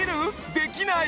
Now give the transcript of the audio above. できない？